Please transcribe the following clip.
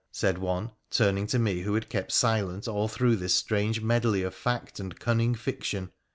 ' said one, turning to me who had kept silent all through this strange medley of fact and cunning fiction.